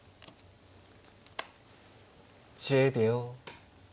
１０秒。